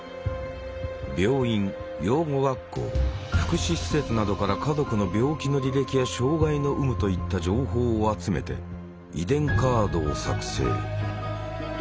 病院養護学校福祉施設などから家族の病気の履歴や障害の有無といった情報を集めて遺伝カードを作成。